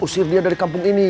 terima kasih aming